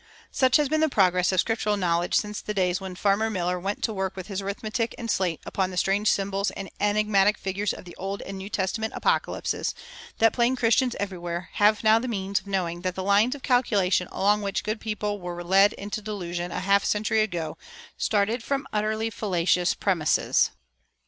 Such has been the progress of Scriptural knowledge since the days when Farmer Miller went to work with his arithmetic and slate upon the strange symbols and enigmatic figures of the Old and New Testament Apocalypses, that plain Christians everywhere have now the means of knowing that the lines of calculation along which good people were led into delusion a half century ago started from utterly fallacious premises.